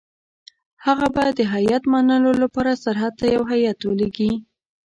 هغه به د هیات منلو لپاره سرحد ته یو هیات ولېږي.